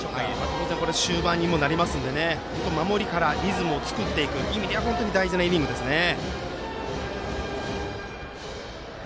当然、終盤にもなるので守りからリズムを作っていく意味では本当に大事なイニングですね。